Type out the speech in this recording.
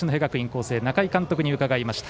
光星仲井監督に伺いました。